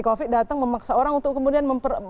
covid datang memaksa orang untuk kemudian